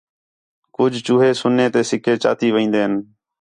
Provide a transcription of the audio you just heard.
کُج چوہے سنے سے سِکے چاتی وین٘دِن